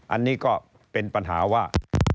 อันนี้ก็เป็นปัญหาว่า